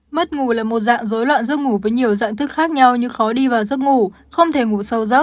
mất ngủ là một dạng dối loạn giấc ngủ với nhiều dạng thức khác nhau như khó đi vào giấc ngủ không thể ngủ sâu giấc